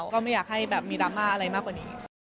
ก็ไม่อยากให้แบบมีดราม่าอะไรมากกว่านี้